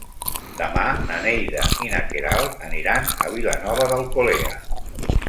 Demà na Neida i na Queralt aniran a Vilanova d'Alcolea.